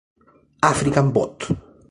African Bot.